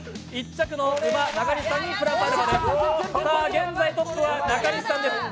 現在トップは中西さんです。